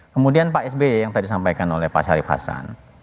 kemudian pak sby yang tadi disampaikan oleh pak syarif hasan